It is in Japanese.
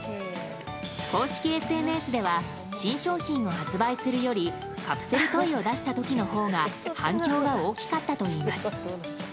公式ＳＮＳでは新商品を発売するよりカプセルトイを出した時のほうが反響が大きかったといいます。